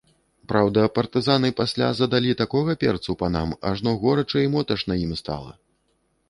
Праўда, партызаны пасля задалі такога перцу панам, ажно горача і моташна ім стала.